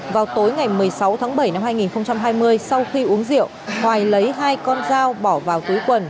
vào tối ngày một mươi sáu tháng bảy năm hai nghìn hai mươi sau khi uống rượu hoài lấy hai con dao bỏ vào túi quần